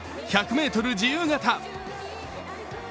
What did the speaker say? １００ｍ自由形。